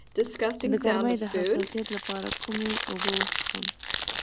د ګرمۍ د حساسیت لپاره کومې اوبه وڅښم؟